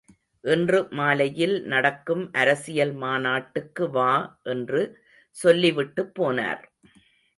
இன்று மாலையில் நடக்கும் அரசியல் மாநாட்டுக்கு வா என்று சொல்லிவிட்டுப் போனார்.